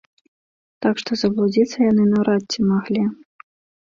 Так што, заблудзіцца яны наўрад ці маглі.